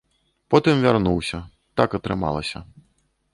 Потым вярнуўся, так атрымалася.